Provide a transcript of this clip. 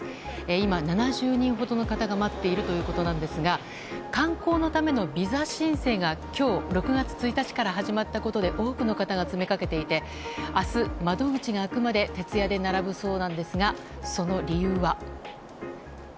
今、７０人ほどの方が待っているということですが観光のためのビザ申請が今日６月１日から始まったことで多くの方が詰めかけていて明日、窓口が開くまで徹夜で並ぶそうですがその理由は。